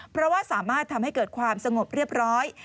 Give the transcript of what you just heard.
เพราะว่าสามารถทำให้เกิดความสงบเรียบร้อย